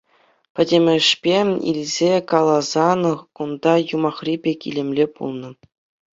Пӗтӗмӗшпе илсе каласан, кунта юмахри пек илемлӗ пулнӑ.